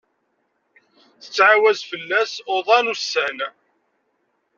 Tettɛawaz fellas uḍan ussan.